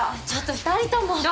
ちょっと２人とも。